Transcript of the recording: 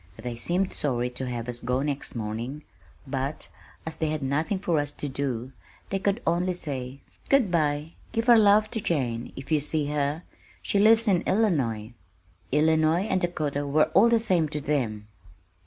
They seemed sorry to have us go next morning, but as they had nothing for us to do, they could only say, "Good bye, give our love to Jane, if you see her, she lives in Illinois." Illinois and Dakota were all the same to them!